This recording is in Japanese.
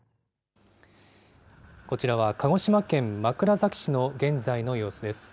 こちらは鹿児島県枕崎市の現在の様子です。